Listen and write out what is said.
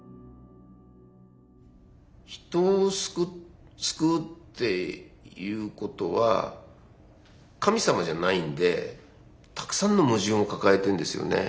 人を救うっていうことは神様じゃないんでたくさんの矛盾を抱えてんですよね。